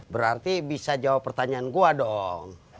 berarti bisa jawab pertanyaan gua dong